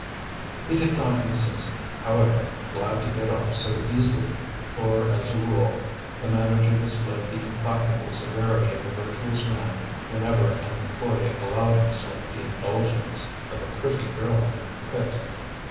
He did not insist, however, glad to get off so easily; for, as a rule, the manager displayed the implacable severity of the virtuous man whenever an employee allowed himself the indulgence of a pretty girl in the pit.